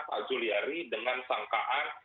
pak juliari dengan sangkaan